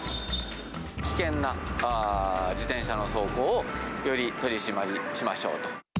危険な自転車の走行をより取締りしましょうと。